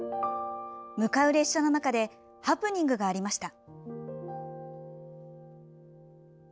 向かう列車の中でハプニングがありました。